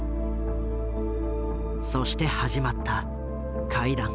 そして始まった会談。